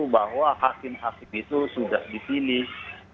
bahwa hakim hakim itu sudah dipilih